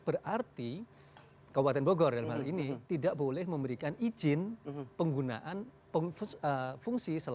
berarti kabupaten bogor dalam hal ini tidak boleh memberikan izin penggunaan fungsi